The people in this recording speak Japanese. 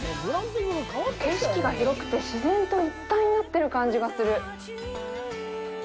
景色が広くて自然と一体になってる感じがする。